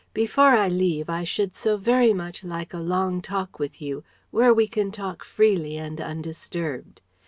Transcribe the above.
Before I leave I should so very much like a long talk with you where we can talk freely and undisturbed.